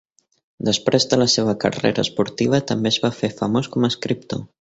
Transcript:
Després de la seva carrera esportiva, també es va fer famós com a escriptor.